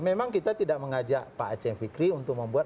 memang kita tidak mengajak pak aceh fikri untuk membuat